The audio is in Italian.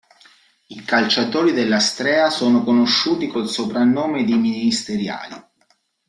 I calciatori dell'Astrea sono conosciuti col soprannome di "ministeriali".